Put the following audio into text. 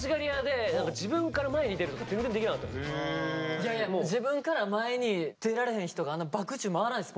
いやいや自分から前に出られへん人があんなバク宙回らないです